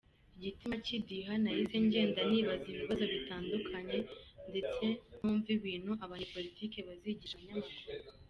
Igitima kidiha nahise ngenda nibaza ibibazo bitandukanye ndetse ntumva ibintu Abanyapolitiki bazigisha abanyamakuru.